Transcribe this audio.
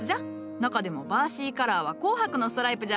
中でもバーシーカラーは紅白のストライプじゃ。